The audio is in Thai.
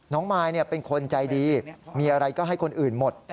มายเป็นคนใจดีมีอะไรก็ให้คนอื่นหมด